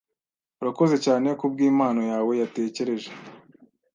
Urakoze cyane kubwimpano yawe yatekereje.